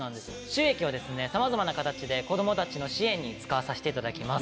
収益はさまざまな形で子供たちの支援に使わさせていただきます。